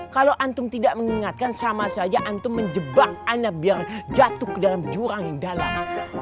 kalau antum tidak mengingatkan sama saja antum menjebak ana biar jatuh ke dalam jurang yang dalam